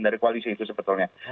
dari koalisi itu sebetulnya